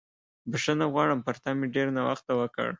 بښنه غواړم، پر تا مې ډېر ناوخته وکړ.